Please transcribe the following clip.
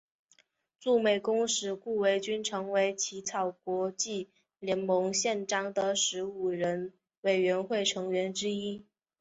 驻美公使顾维钧成为起草国际联盟宪章的十五人委员会成员之一。